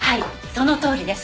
そのとおりです。